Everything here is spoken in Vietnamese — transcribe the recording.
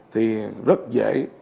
thì rất dễ